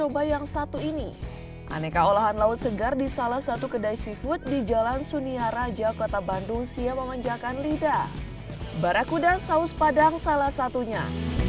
barakuda saus padang salah satunya